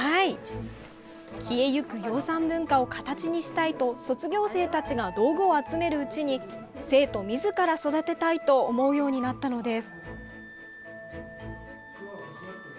消えゆく養蚕文化を形にしたいと卒業生たちが道具を集めるうちに生徒みずから育てたいと思うようになったのです。